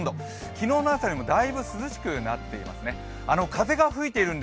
昨日の朝よりもだいぶ涼しくなってますね。